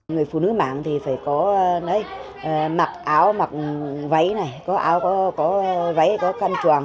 người phụ nữ mảng thì phải có áo mặc váy này có áo có váy có căn choàng